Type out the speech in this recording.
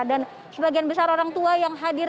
dan sebagian besar orang tua yang hadir